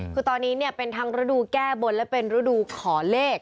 คือตอนนี้เนี่ยเป็นทั้งฤดูแก้บนและเป็นฤดูขอเลข